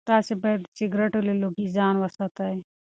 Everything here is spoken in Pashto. تاسي باید د سګرټو له لوګي ځان وساتئ.